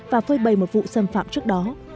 và phơi bày một vụ xâm phạm trước đó